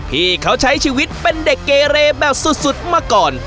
พี่เขาใช้ชีวิตเป็นเด็กเกเรแบบสุดมาก่อน